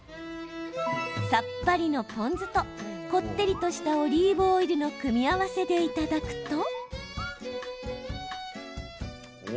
さっぱりのポン酢とこってりとしたオリーブオイルの組み合わせでいただくと。